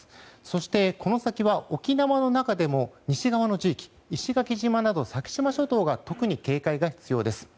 そして、この先は沖縄の中でも西側の地域、石垣島など先島諸島は特に警戒が必要です。